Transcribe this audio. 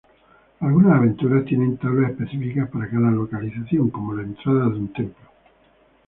Algunas aventuras tienen tablas específicas para cada localización, como la entrada de un templo.